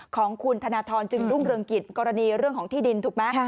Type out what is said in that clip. ของคุณธนทรจึงรุ่งเรืองกิจกรณีเรื่องของที่ดินถูกไหม